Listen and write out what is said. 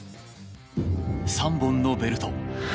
３本のベルト。